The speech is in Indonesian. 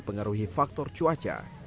ini mengaruhi faktor cuaca